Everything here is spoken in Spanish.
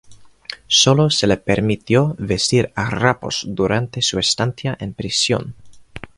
Sólo se le permitió vestir harapos durante su estancia en prisión.